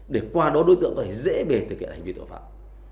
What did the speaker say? để qua đó đối tượng có thể dễ về thực hiện hành vi tội phạm